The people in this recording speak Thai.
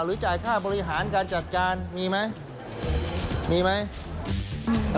จ่ายค่าบริหารการจัดการมีไหมมีไหม